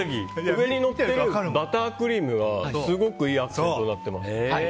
上にのってるバタークリームがすごくいいアクセントになってます。